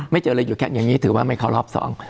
เจออะไรอยู่แค่อย่างนี้ถือว่าไม่เข้ารอบสอง